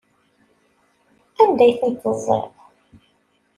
Anda ay tent-teẓẓiḍ?